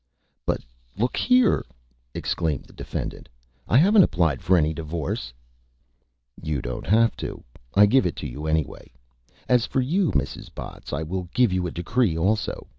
"But look here!" exclaimed the Defendant, "I haven't applied for any Divorce." "You don't have to. I give it to you anyway. As for you, Mrs. Botts, I will give you a Decree also.